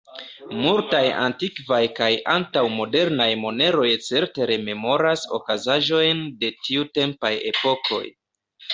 Multaj antikvaj kaj antaŭ-modernaj moneroj certe rememoras okazaĵojn de tiutempaj epokoj.